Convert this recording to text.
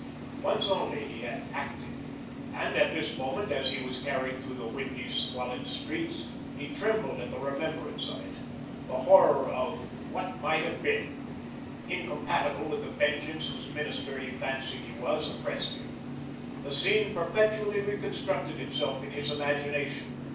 Once only he had ACTED. And at this moment, as he was carried through the windy, squalid streets, he trembled at the remembrance of it. The horror of "what might have been" incompatible with the vengeance whose minister he fancied he was, oppressed him. The scene perpetually reconstructed itself in his imagination.